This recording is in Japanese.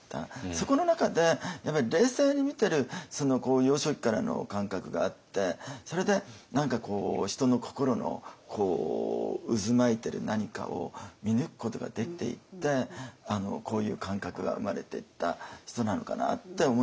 そこの中で冷静に見てる幼少期からの感覚があってそれで何かこう人の心の渦巻いてる何かを見抜くことができていってこういう感覚が生まれていった人なのかなって思いましたよね。